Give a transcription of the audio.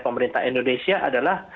pemerintah indonesia adalah